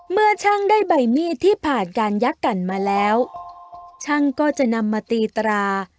เมื่อช่างได้ใบมีดที่ผ่านการยักษ์กันมาแล้วช่างก็จะนำมาตีตรา